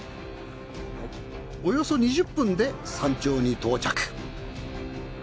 およそ２０分で山頂に到着。